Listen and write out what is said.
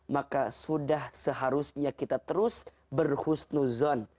maka sudah seharusnya kita terus berhusnuzon